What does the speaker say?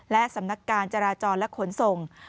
และสำนักการจราจรและขนส่ง